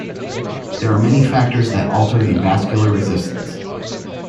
There are many factors that alter the vascular resistance.